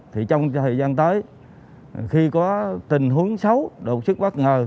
thì trong thời gian tới khi có tình huống xấu đột sức bất ngờ